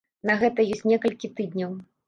На гэта ёсць некалькі тыдняў.